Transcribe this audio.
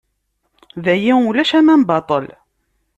Dayi ulac aman baṭel.